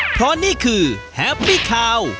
เพราะนี่คือแฮปปี้คาว